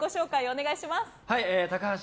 お願いします。